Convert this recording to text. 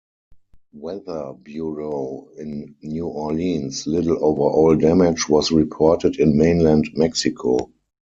Weather Bureau in New Orleans, little overall damage was reported in mainland Mexico.